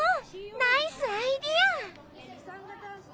ナイスアイデア！